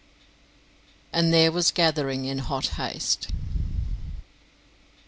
"And there was gathering in hot haste."